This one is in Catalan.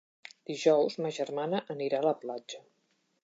Dijous ma germana anirà a la platja.